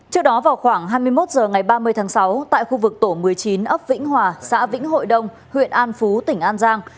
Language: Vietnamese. trước đó vào khoảng hai mươi một h ngày ba mươi tháng sáu tại khu vực tổ một mươi chín ấp vĩnh hòa xã vĩnh hội đông huyện an phú tỉnh an giang